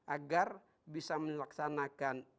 agar bisa melaksanakan